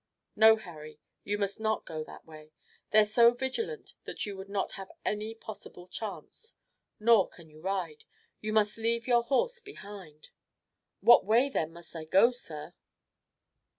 "No, Harry, you must not go that way. They're so vigilant that you would not have any possible chance. Nor can you ride. You must leave your horse behind." "What way then must I go, sir?"